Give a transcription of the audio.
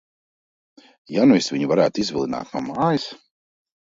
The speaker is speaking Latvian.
Ja nu es viņu varētu izvilināt no mājas?